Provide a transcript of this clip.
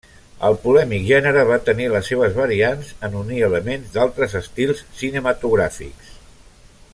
El polèmic gènere va tenir les seves variants en unir elements d'altres estils cinematogràfics.